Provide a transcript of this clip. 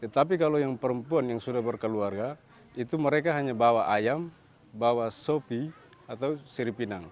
tapi kalau yang perempuan yang sudah berkeluarga itu mereka hanya bawa ayam bawa sopi atau siri pinang